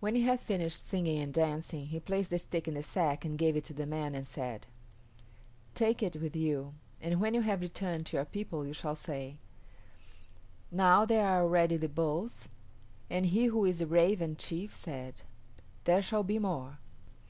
When he had finished singing and dancing he placed the stick in the sack and gave it to the man and said, "Take it with you, and when you have returned to your people you shall say, 'Now there are already the Bulls, and he who is the Raven chief said, "There shall be more.